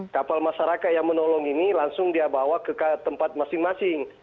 kapal masyarakat yang menolong ini langsung dia bawa ke tempat masing masing